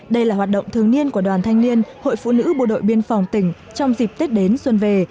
đây là hoạt động thường niên của đoàn thanh niên hội phụ nữ bộ đội biên phòng tỉnh trong dịp tết đến xuân về